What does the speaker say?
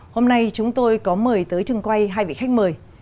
hôm nay chúng tôi có mời tới trường quay hai vị khách mời